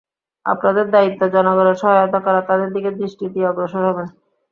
আপনাদের দায়িত্ব জনগণের সহায়তা করা, তাঁদের দিকে দৃষ্টি দিয়ে অগ্রসর হবেন।